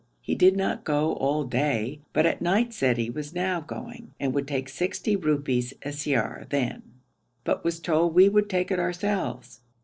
He did not go all day, but at night said he was now going, and would take sixty rupees siyar then, but was told we would take it ourselves.